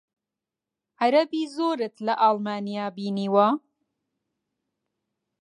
عەرەبی زۆرت لە ئەڵمانیا بینیوە؟